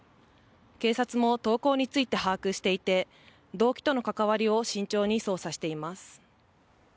警察も投稿について把握していて、動機との関わりを慎重に捜査しています。